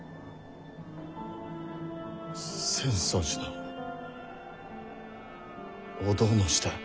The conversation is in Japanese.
浅草寺のお堂の下。